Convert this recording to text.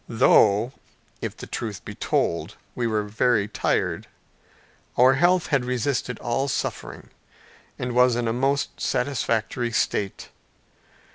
Though, if the truth be told, we were very tired, our health had resisted all suffering, and was in a most satisfactory state.